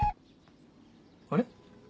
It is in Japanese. あれ？